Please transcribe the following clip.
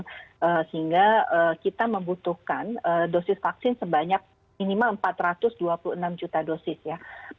sehingga kita membutuhkan dosis vaksin sebanyak minimal empat ratus dua puluh enam juta dosis ya